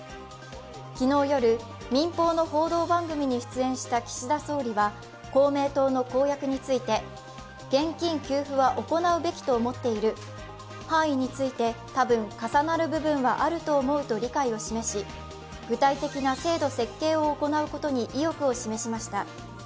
昨日夜、民放の報道番組に出演した岸田総理は公明党の公約について、現金給付は行うべきと思っている、範囲について多分、重なる部分はあると思うと理解を示し、具体的な制度設計を行うことに意欲を示しました。